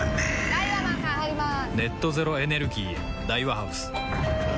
・ダイワマンさん入りまーす！